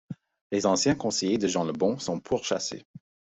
Les anciens conseillers de Jean le Bon sont pourchassés.